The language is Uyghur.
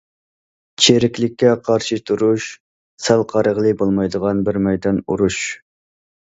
چىرىكلىككە قارشى تۇرۇش، سەل قارىغىلى بولمايدىغان بىر مەيدان ئۇرۇش.